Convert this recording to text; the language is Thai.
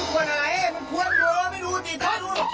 ควรอะไรมันควรหรือเปล่าไม่รู้สิตาดู